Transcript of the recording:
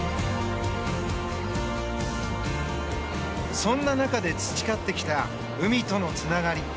そんな中で培ってきた海とのつながり。